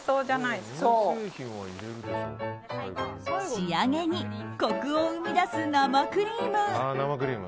仕上げにコクを生み出す生クリーム。